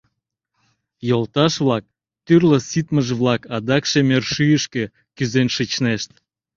Йолташ-влак, тӱрлӧ ситмыж-влак адак шемер шӱйышкӧ кӱзен шичнешт...»